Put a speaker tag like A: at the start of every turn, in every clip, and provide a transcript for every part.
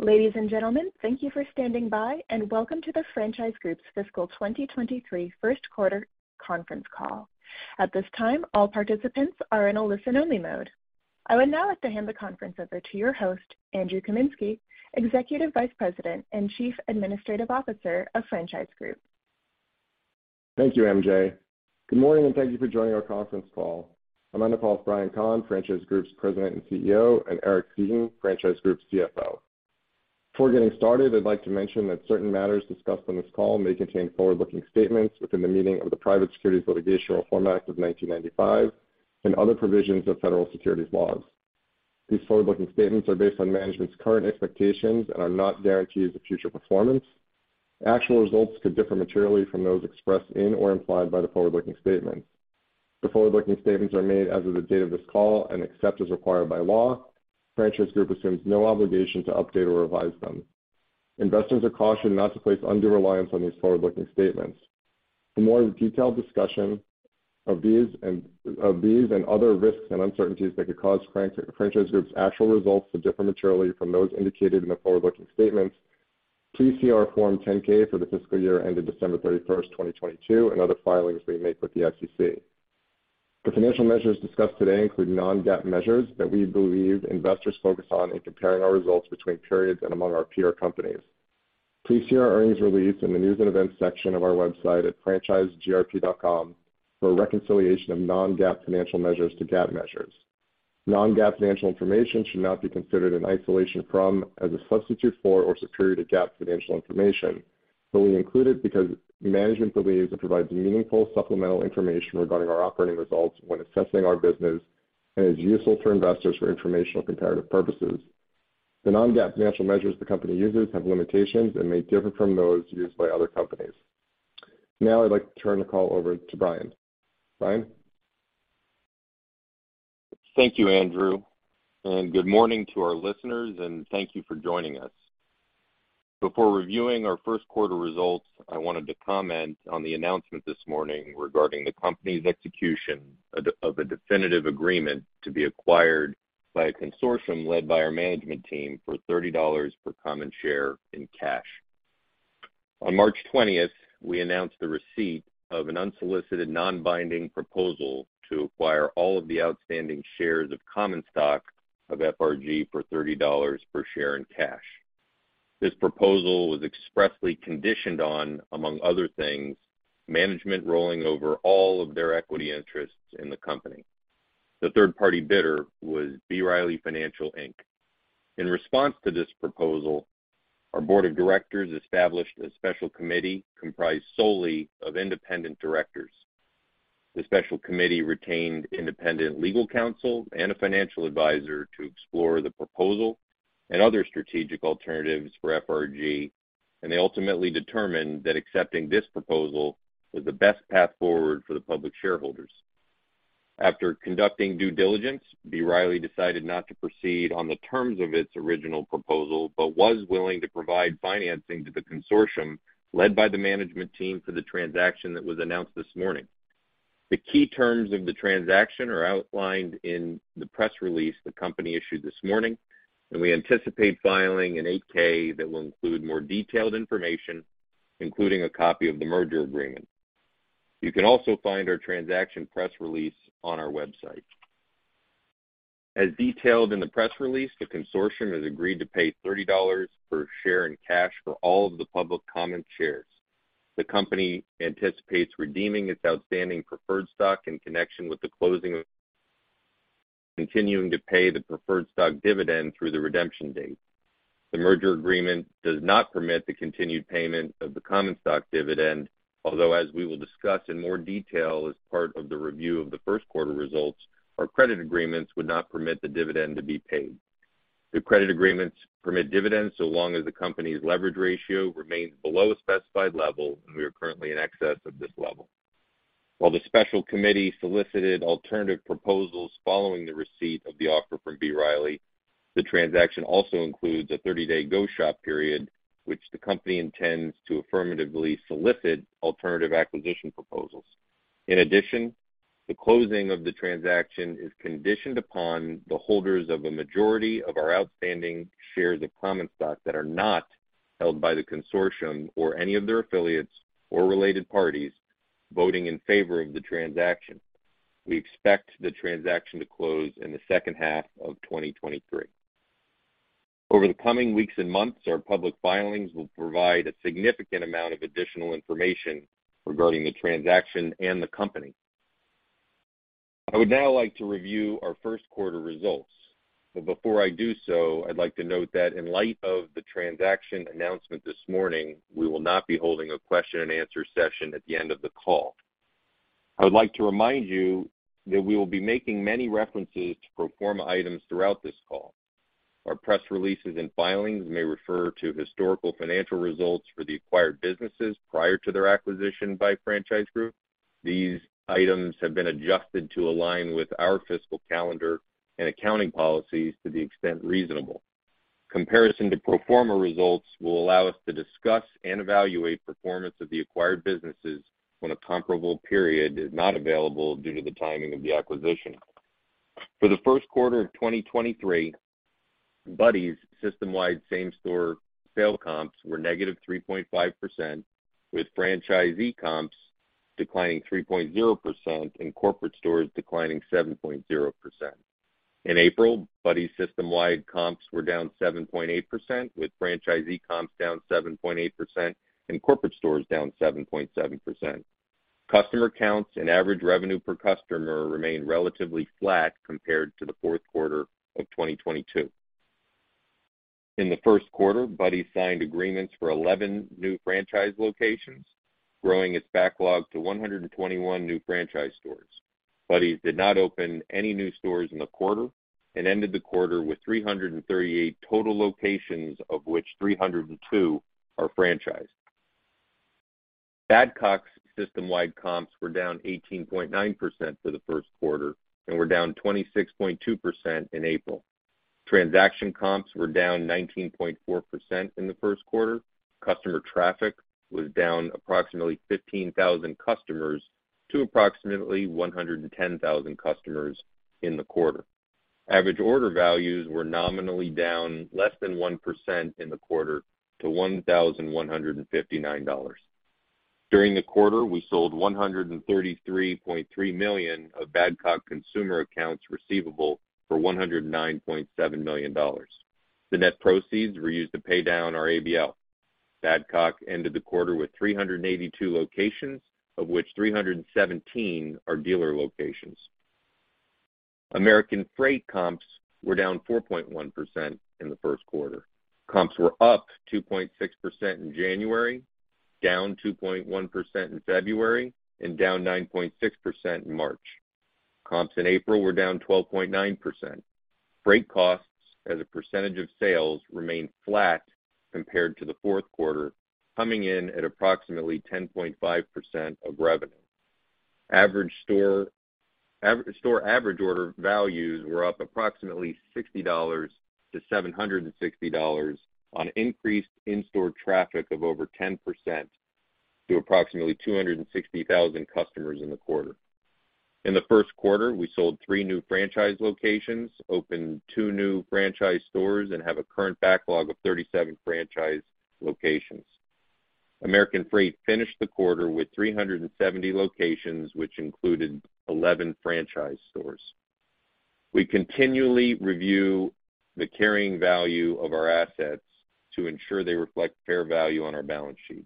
A: Ladies and gentlemen, thank you for standing by, welcome to the Franchise Group's fiscal 2023 Q1 conference call. At this time, all participants are in a listen-only mode. I would now like to hand the conference over to your host, Andrew Kaminsky, Executive Vice President and Chief Administrative Officer of Franchise Group.
B: Thank you, MJ. Good morning, thank you for joining our conference call. I'm on the call with Brian Kahn, Franchise Group's President and CEO, and Eric Seeton, Franchise Group's CFO. Before getting started, I'd like to mention that certain matters discussed on this call may contain forward-looking statements within the meaning of the Private Securities Litigation Reform Act of 1995 and other provisions of federal securities laws. These forward-looking statements are based on management's current expectations and are not guarantees of future performance. Actual results could differ materially from those expressed in or implied by the forward-looking statements. The forward-looking statements are made as of the date of this call, except as required by law, Franchise Group assumes no obligation to update or revise them. Investors are cautioned not to place undue reliance on these forward-looking statements. For more detailed discussion of these and other risks and uncertainties that could cause Franchise Group's actual results to differ materially from those indicated in the forward-looking statements, please see our Form 10-K for the fiscal year ended December 31, 2022, and other filings we make with the SEC. The financial measures discussed today include non-GAAP measures that we believe investors focus on in comparing our results between periods and among our peer companies. Please see our earnings release in the News & Events section of our website at franchisegrp.com for a reconciliation of non-GAAP financial measures to GAAP measures. Non-GAAP financial information should not be considered in isolation from, as a substitute for, or superior to GAAP financial information. We include it because management believes it provides meaningful supplemental information regarding our operating results when assessing our business and is useful for investors for informational comparative purposes. The non-GAAP financial measures the company uses have limitations and may differ from those used by other companies. Now I'd like to turn the call over to Brian. Brian?
C: Thank you, Andrew, good morning to our listeners, and thank you for joining us. Before reviewing our Q1 results, I wanted to comment on the announcement this morning regarding the company's execution of a definitive agreement to be acquired by a consortium led by our management team for $30 per common share in cash. On March 20th, we announced the receipt of an unsolicited, non-binding proposal to acquire all of the outstanding shares of common stock of FRG for $30 per share in cash. This proposal was expressly conditioned on, among other things, management rolling over all of their equity interests in the company. The third-party bidder was B. Riley Financial, Inc. In response to this proposal, our board of directors established a special committee comprised solely of independent directors. The special committee retained independent legal counsel and a financial advisor to explore the proposal and other strategic alternatives for FRG. They ultimately determined that accepting this proposal was the best path forward for the public shareholders. After conducting due diligence, B. Riley decided not to proceed on the terms of its original proposal, but was willing to provide financing to the consortium led by the management team for the transaction that was announced this morning. The key terms of the transaction are outlined in the press release the company issued this morning. We anticipate filing an 8-K that will include more detailed information, including a copy of the merger agreement. You can also find our transaction press release on our website. As detailed in the press release, the consortium has agreed to pay $30 per share in cash for all of the public common shares. The company anticipates redeeming its outstanding preferred stock in connection with the closing of continuing to pay the preferred stock dividend through the redemption date. The merger agreement does not permit the continued payment of the common stock dividend, although as we will discuss in more detail as part of the review of the Q1 results, our credit agreements would not permit the dividend to be paid. The credit agreements permit dividends so long as the company's leverage ratio remains below a specified level, and we are currently in excess of this level. While the special committee solicited alternative proposals following the receipt of the offer from B. Riley, the transaction also includes a 30-day go-shop period which the company intends to affirmatively solicit alternative acquisition proposals. The closing of the transaction is conditioned upon the holders of a majority of our outstanding shares of common stock that are not held by the consortium or any of their affiliates or related parties voting in favor of the transaction. We expect the transaction to close in the second half of 2023. Over the coming weeks and months, our public filings will provide a significant amount of additional information regarding the transaction and the company. I would now like to review our Q1 results. Before I do so, I'd like to note that in light of the transaction announcement this morning, we will not be holding a question and answer session at the end of the call. I would like to remind you that we will be making many references to pro forma items throughout this call. Our press releases and filings may refer to historical financial results for the acquired businesses prior to their acquisition by Franchise Group. These items have been adjusted to align with our fiscal calendar and accounting policies to the extent reasonable. Comparison to pro forma results will allow us to discuss and evaluate performance of the acquired businesses when a comparable period is not available due to the timing of the acquisition. For the Q1 of 2023, Buddy's system-wide same-store sales comps were negative 3.5%, with franchisee comps declining 3.0% and corporate stores declining 7.0%. In April, Buddy's system-wide comps were down 7.8%, with franchisee comps down 7.8% and corporate stores down 7.7%. Customer counts and average revenue per customer remained relatively flat compared to the Q4 of 2022. In the Q1, Buddy's signed agreements for 11 new franchise locations, growing its backlog to 121 new franchise stores. Buddy's did not open any new stores in the quarter and ended the quarter with 338 total locations, of which 302 are franchised. Badcock's system-wide comps were down 18.9% for the Q1 and were down 26.2% in April. Transaction comps were down 19.4% in the Q1. Customer traffic was down approximately 15,000 customers to approximately 110,000 customers in the quarter. Average order values were nominally down less than 1% in the quarter to $1,159. During the quarter, we sold 133.3 million of Badcock consumer accounts receivable for $109.7 million. The net proceeds were used to pay down our ABL. Badcock ended the quarter with 382 locations, of which 317 are dealer locations. American Freight comps were down 4.1% in the Q1. Comps were up 2.6% in January, down 2.1% in February, and down 9.6% in March. Comps in April were down 12.9%. Freight costs as a percentage of sales remained flat compared to the Q4, coming in at approximately 10.5% of revenue. Average store... Av-store average order values were up approximately $60 to $760 on increased in-store traffic of over 10% to approximately 260,000 customers in the quarter. In the Q1, we sold 3 new franchise locations, opened 2 new franchise stores, and have a current backlog of 37 franchise locations. American Freight finished the quarter with 370 locations, which included 11 franchise stores. We continually review the carrying value of our assets to ensure they reflect fair value on our balance sheet.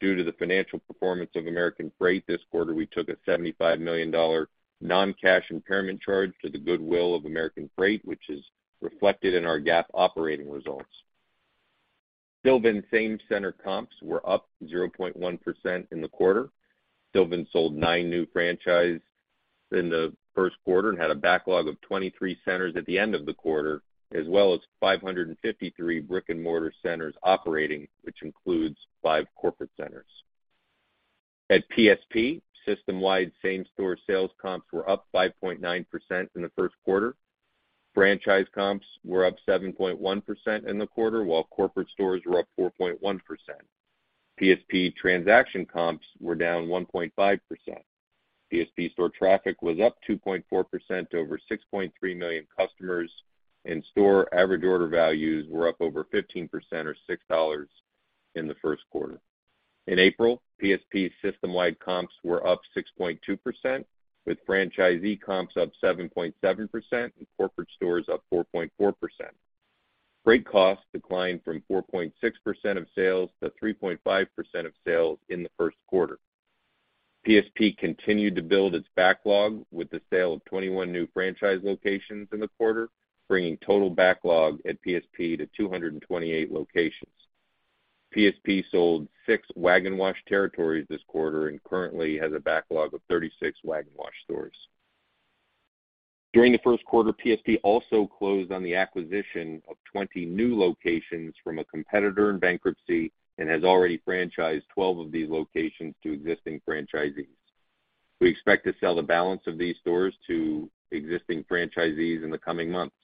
C: Due to the financial performance of American Freight this quarter, we took a $75 million non-cash impairment charge to the goodwill of American Freight, which is reflected in our GAAP operating results. Sylvan same-center comps were up 0.1% in the quarter. Sylvan sold nine new franchise in the Q1 and had a backlog of 23 centers at the end of the quarter, as well as 553 brick-and-mortar centers operating, which includes five corporate centers. At PSP, system-wide same-store sales comps were up 5.9% in the Q1. Franchise comps were up 7.1% in the quarter, while corporate stores were up 4.1%. PSP transaction comps were down 1.5%. PSP store traffic was up 2.4% over 6.3 million customers, and store average order values were up over 15% or $6 in the Q1. In April, PSP system-wide comps were up 6.2%, with franchisee comps up 7.7% and corporate stores up 4.4%. Freight costs declined from 4.6% of sales to 3.5% of sales in the Q1. PSP continued to build its backlog with the sale of 21 new franchise locations in the quarter, bringing total backlog at PSP to 228 locations. PSP sold 6 Wag N' Wash territories this quarter and currently has a backlog of 36 Wag N' Wash stores. During the Q1, PSP also closed on the acquisition of 20 new locations from a competitor in bankruptcy and has already franchised 12 of these locations to existing franchisees. We expect to sell the balance of these stores to existing franchisees in the coming months.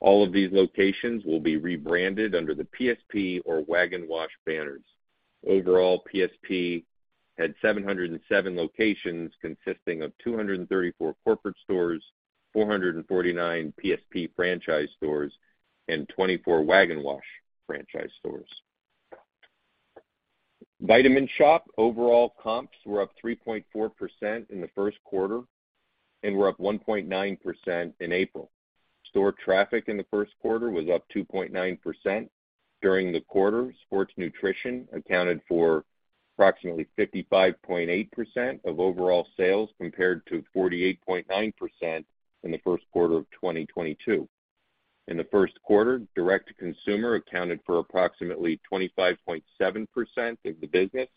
C: All of these locations will be rebranded under the PSP or Wag N' Wash banners. Overall, PSP had 707 locations consisting of 234 corporate stores, 449 PSP franchise stores, and 24 Wag N' Wash franchise stores. Vitamin Shoppe overall comps were up 3.4% in the Q1 and were up 1.9% in April. Store traffic in the Q1 was up 2.9%. During the quarter, sports nutrition accounted for approximately 55.8% of overall sales, compared to 48.9% in the Q1 of 2022. In the Q1, direct-to-consumer accounted for approximately 25.7% of the business,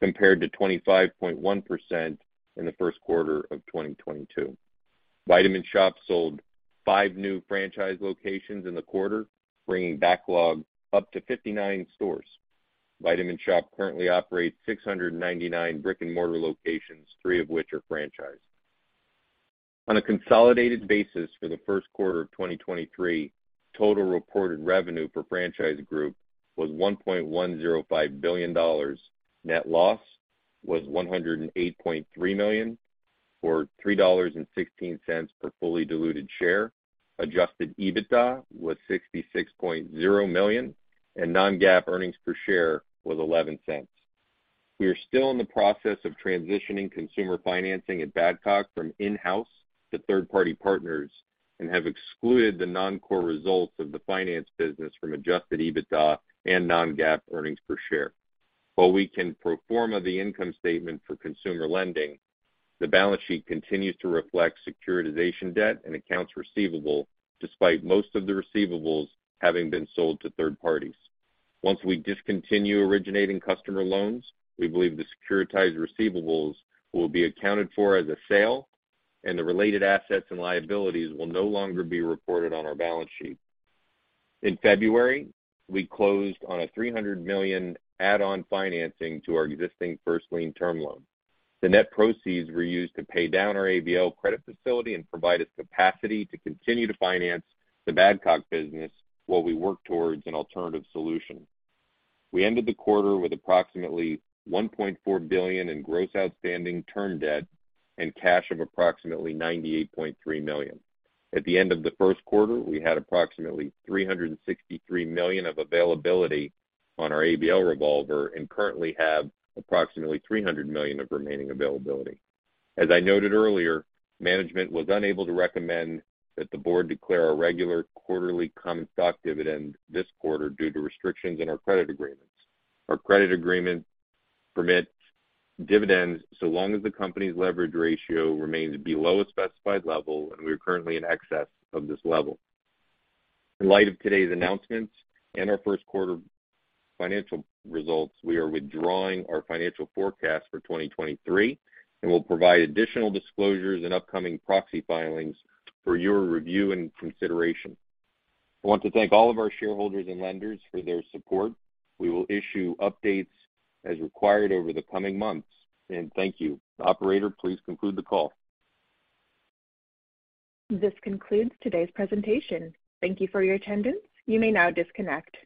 C: compared to 25.1% in the Q1 of 2022. Vitamin Shoppe sold 5 new franchise locations in the quarter, bringing backlog up to 59 stores. Vitamin Shoppe currently operates 699 brick-and-mortar locations, three of which are franchised. On a consolidated basis for the Q1 of 2023, total reported revenue for Franchise Group was $1.105 billion, net loss was $108.3 million, or $3.16 per fully diluted share. Adjusted EBITDA was $66.0 million, and non-GAAP earnings per share was $0.11. We are still in the process of transitioning consumer financing at Badcock from in-house to third-party partners and have excluded the non-core results of the finance business from Adjusted EBITDA and non-GAAP earnings per share. While we can pro forma the income statement for consumer lending, the balance sheet continues to reflect securitization debt and accounts receivable despite most of the receivables having been sold to third parties. Once we discontinue originating customer loans, we believe the securitized receivables will be accounted for as a sale, and the related assets and liabilities will no longer be reported on our balance sheet. In February, we closed on a $300 million add-on financing to our existing first lien term loan. The net proceeds were used to pay down our ABL credit facility and provide us capacity to continue to finance the Badcock business while we work towards an alternative solution. We ended the quarter with approximately $1.4 billion in gross outstanding term debt and cash of approximately $98.3 million. At the end of the Q1, we had approximately $363 million of availability on our ABL revolver and currently have approximately $300 million of remaining availability. As I noted earlier, management was unable to recommend that the board declare a regular quarterly common stock dividend this quarter due to restrictions in our credit agreements. Our credit agreement permits dividends so long as the company's leverage ratio remains below a specified level, and we are currently in excess of this level. In light of today's announcements and our Q1 financial results, we are withdrawing our financial forecast for 2023 and will provide additional disclosures in upcoming proxy filings for your review and consideration. I want to thank all of our shareholders and lenders for their support. We will issue updates as required over the coming months. Thank you. Operator, please conclude the call.
A: This concludes today's presentation. Thank you for your attendance. You may now disconnect.